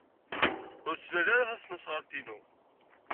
Ur ttnal ara tasnasɣalt-inu.